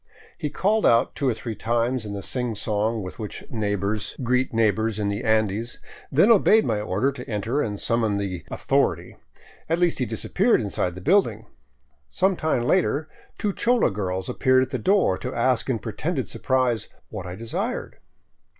He called out two or three times in the singsong with which neighbors 523 VAGABONDING DOWN THE ANDES greet neighbors in the Andes, then obeyed my order to enter and sum mon the " authority "— at least he disappeared inside the building. Some time later two chola girls appeared at the door to ask in pre tended surprise what I desired.